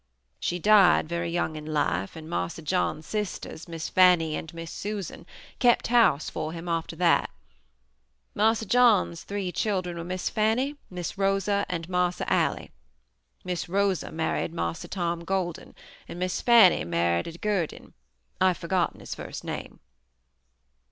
She died very young in life and Marse John's sisters, Miss Fannie and Miss Susan, kept house for him after that. Marse John's three children were Miss Fannie, Miss Rosa, and Marse Allie. Miss Rosa married Marse Tom Golden, and Miss Fannie married a Gerdine; I've forgotten his first name.